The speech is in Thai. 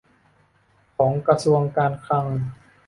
ของกระทรวงการคลัง